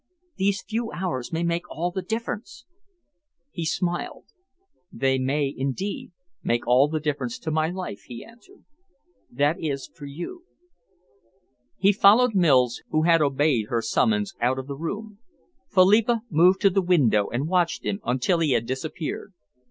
These few hours may make all the difference." He smiled. "They may, indeed, make all the difference to my life," he answered. "That is for you." He followed Mills, who had obeyed her summons, out of the room. Philippa moved to the window and watched him until he had disappeared.